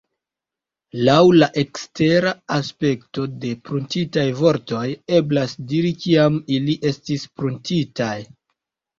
Laŭ la ekstera aspekto de pruntitaj vortoj eblas diri, kiam ili estis pruntitaj.